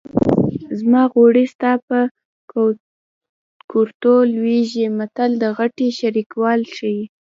زما غوړي ستا په کورتو لوېږي متل د ګټې شریکول ښيي